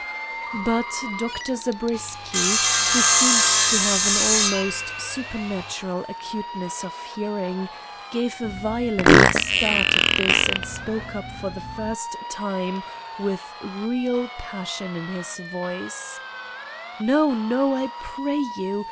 But Dr. Zabriskie, who seemed to have an almost supernatural acuteness of hearing, gave a violent start at this and spoke up for the first time with real passion in his voice: "No, no, I pray you.